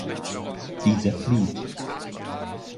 Dieser flieht.